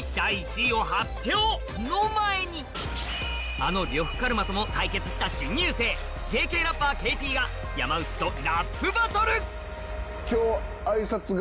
あの呂布カルマとも対決した新入生ＪＫラッパーＫＴが山内とラップバトル今日。